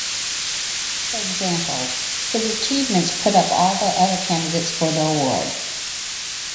For example, "His achievements put up all the other candidates for the award."